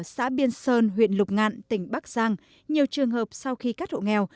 xã biên sơn huyện lục ngạn tỉnh bắc giang nhiều trường hợp sau khi cắt hộ nghèo